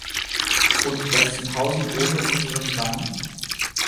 Und Betzenhausen ohne unsern Wein?